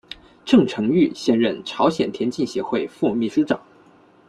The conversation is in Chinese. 郑成玉现任朝鲜田径协会副秘书长。